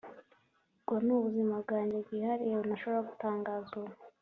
Ubwo ni ubuzima bwanjye bwihariye ntashobora gutangaza ubu